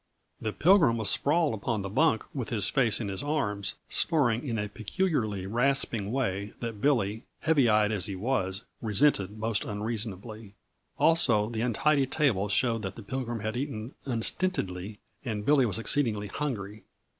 The Pilgrim was sprawled upon the bunk with his face in his arms, snoring in a peculiarly rasping way that Billy, heavy eyed as he was, resented most unreasonably. Also, the untidy table showed that the Pilgrim had eaten unstintedly and Billy was exceedingly hungry.